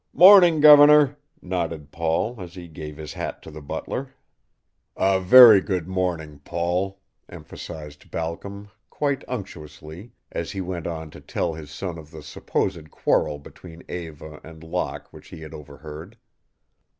"Morning, Governor," nodded Paul, as he gave his hat to the butler. "A very good morning, Paul," emphasized Balcom, quite unctuously, as he went on to tell his son of the supposed quarrel between Eva and Locke which he had overheard.